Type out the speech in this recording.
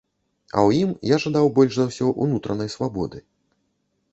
А ў ім я жадаў больш за ўсё унутранай свабоды.